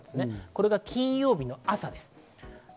これが金曜日の朝。